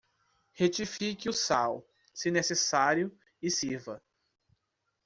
Retifique o sal, se necessário, e sirva.